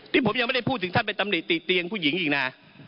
นี่ผมยังไม่ได้พูดถึงท่านไปตำหนิติเตียงผู้หญิงอีกนะ